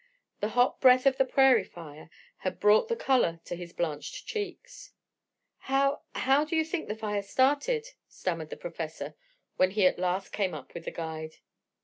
The hot breath of the prairie fire had brought the color to his blanched cheeks. "How how do you think the fire started?" stammered the Professor, when he at last came up with the guide.